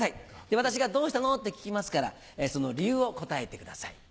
私が「どうしたの？」って聞きますからその理由を答えてください。